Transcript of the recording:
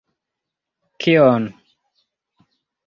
Kion!